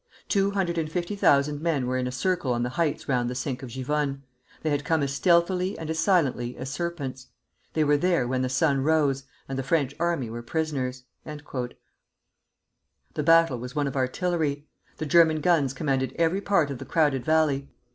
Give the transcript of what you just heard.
Two hundred and fifty thousand men were in a circle on the heights round the Sink of Givonne. They had come as stealthily and as silently as serpents. They were there when the sun rose, and the French army were prisoners." The battle was one of artillery. The German guns commanded every part of the crowded valley.